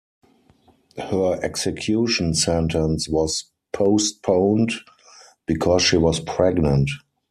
Her execution sentence was postponed because she was pregnant.